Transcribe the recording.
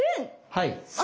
はい。